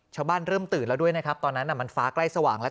เริ่มตื่นแล้วด้วยนะครับตอนนั้นมันฟ้าใกล้สว่างแล้ว